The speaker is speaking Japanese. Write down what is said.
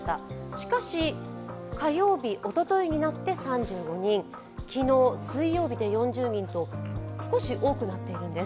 しかし、火曜日、おとといになって３５人、昨日、水曜日で４０人と少し多くなっているんです。